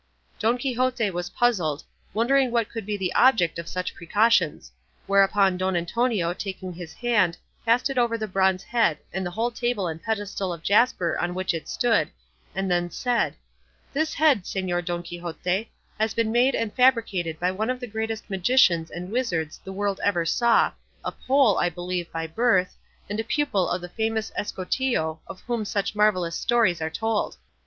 Don Quixote was puzzled, wondering what could be the object of such precautions; whereupon Don Antonio taking his hand passed it over the bronze head and the whole table and the pedestal of jasper on which it stood, and then said, "This head, Señor Don Quixote, has been made and fabricated by one of the greatest magicians and wizards the world ever saw, a Pole, I believe, by birth, and a pupil of the famous Escotillo of whom such marvellous stories are told.